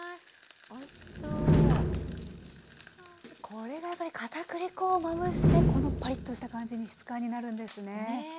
これがやっぱりかたくり粉をまぶしてこのパリッとした感じに質感になるんですね。